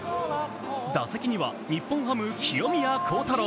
打席には日本ハム・清宮幸太郎。